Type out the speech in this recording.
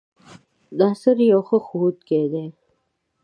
ناصر يو ښۀ ښوونکی دی